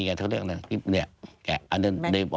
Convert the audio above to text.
เขาก็ต้องแกะไอ้นี้ไงแทรกเร็วนั่นนึง